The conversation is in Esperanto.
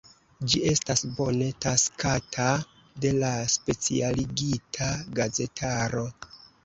Ĝi estas bone taksata de la specialigita gazetaro.